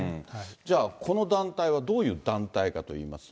じゃあ、この団体はどういう団体かといいますと。